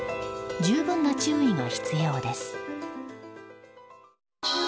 十分な注意が必要です。